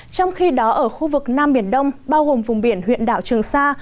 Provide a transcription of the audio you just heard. trong khi đó ở khu vực nam biển đông bao gồm vùng biển huyện đảo trường sa